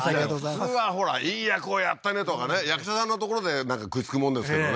普通はほらいい役をやったねとかね役者さんのところで食いつくもんですけどね